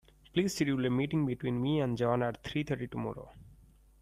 Please schedule a meeting between me and John at three thirty tomorrow.